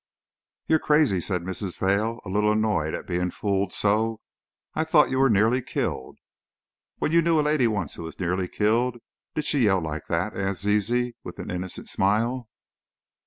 "You're crazy!" said Mrs. Vail, a little annoyed at being fooled so. "I thought you were nearly killed!" "When you knew a lady once who was nearly killed did she yell like that?" asked Zizi, with an innocent smile.